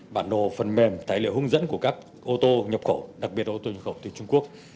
bản đồ phần mềm tài liệu hướng dẫn của các ô tô nhập khẩu đặc biệt là ô tô nhập khẩu từ trung quốc